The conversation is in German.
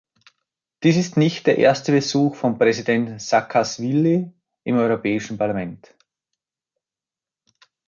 Dies ist nicht der erste Besuch von Präsident Saakaschwili im Europäischen Parlament.